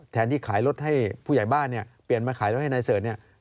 แทนที่ขายรถให้ผู้ใหญ่บ้านเปลี่ยนมาขายรถให้ในเสิร์ต